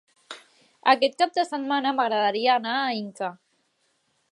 Aquest cap de setmana m'agradaria anar a Inca.